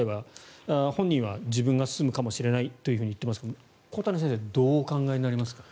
本人は自分が住むかもしれないと言っていますが小谷先生はどうお考えになりますか？